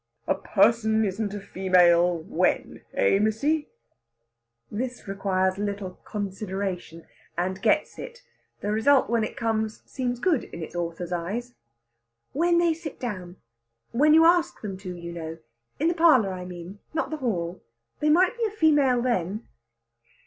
"A person isn't a female when? Eh, missy?" This requires a little consideration, and gets it. The result, when it comes, seems good in its author's eyes. "When they sit down. When you ask them to, you know. In the parlour, I mean not the hall. They might be a female then."